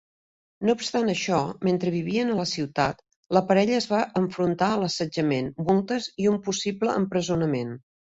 No obstant això, mentre vivien a la ciutat, la parella es va enfrontar a l'assetjament, multes i un possible empresonament.